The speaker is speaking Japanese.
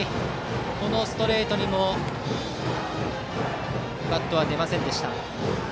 このストレートにもバットは出ませんでした。